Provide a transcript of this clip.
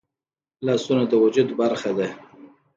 لاسونه د وجود برخه ده